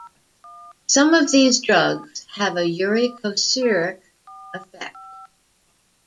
Some of these drugs have a uricosuric effect.